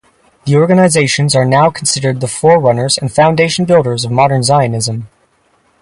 The organizations are now considered the forerunners and foundation-builders of modern Zionism.